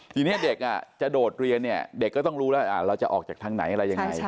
ทีนี้เด็กจะโดดเรียนเนี่ยเด็กก็ต้องรู้แล้วเราจะออกจากทางไหนอะไรยังไง